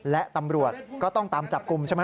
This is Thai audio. และตำรวจก็ต้องตามจับกลุ่มใช่ไหม